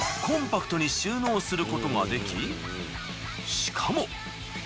コンパクトに収納することができしかも。